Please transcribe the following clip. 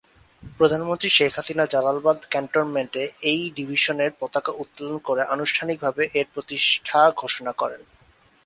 প্রধানমন্ত্রী শেখ হাসিনা জালালাবাদ ক্যান্টনমেন্টে এই ডিভিশনের পতাকা উত্তোলন করে আনুষ্ঠানিকভাবে এর প্রতিষ্ঠা ঘোষণা করেন।